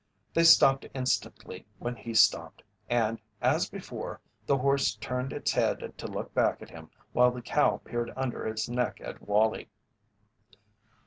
They stopped instantly when he stopped, and, as before, the horse turned its head to look back at him while the cow peered under its neck at Wallie.